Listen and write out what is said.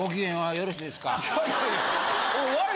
いやいや。